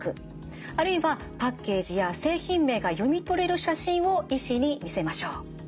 あるいはパッケージや製品名が読み取れる写真を医師に見せましょう。